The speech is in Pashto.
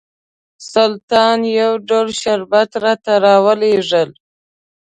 سلطان یو ډول شربت راته راولېږل.